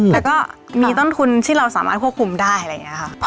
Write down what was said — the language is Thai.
แล้วก็มีต้นทุนที่เราสามารถควบคุมได้อะไรอย่างนี้ค่ะ